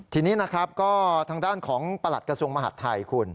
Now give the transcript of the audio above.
ทีนี้นะครับก็ทางด้านของประหลัดกระทรวงมหาดไทยคุณ